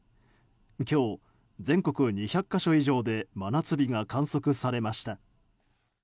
今日、全国２００か所以上で真夏日が観測されました。